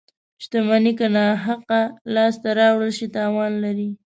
• شتمني که ناحقه لاسته راوړل شي، تاوان لري.